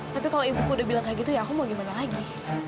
tapi kalau ibuku udah bilang kayak gitu ya aku mau gimana lagi